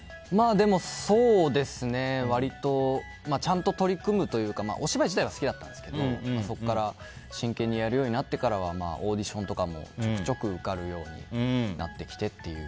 そうですね割とちゃんと取り組むというかお芝居自体は好きだったんですけどそこから真剣にやるようになってからはオーディションとかもちょくちょく受かるようになってきてという。